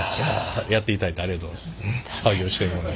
やっていただいてありがとうございます。